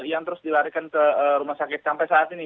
yang terus dilarikan ke rumah sakit sampai saat ini